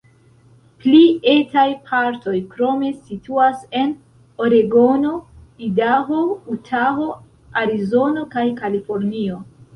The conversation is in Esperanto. Pli etaj partoj krome situas en Oregono, Idaho, Utaho, Arizono kaj Kalifornio.